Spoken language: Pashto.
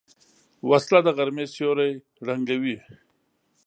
وسله د غرمې سیوری ړنګوي